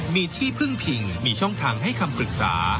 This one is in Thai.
มีที่พึ่งพิงมีช่องทางให้คำปรึกษา